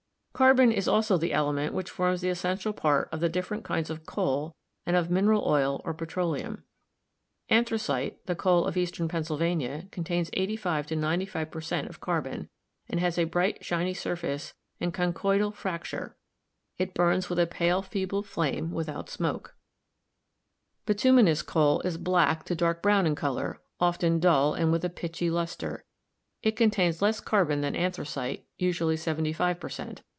Carbon is also the element which forms the essential part of the different kinds of coal and of mineral oil or petroleum. Anthracite, the coal of eastern Pennsylvania, contains 85 to 95 per cent, of car bon and has a bright shiny surface and conchoidal frac ture; it burns with a pale feeble flame without smoke. 262 GEOLOGY Bituminous coal is black to dark brown in color, often dull and with a pitchy luster ; it contains less carbon than anthracite (usually 75 per cent.)